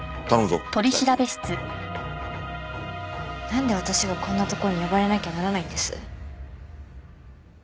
なんで私がこんなとこに呼ばれなきゃならないんです？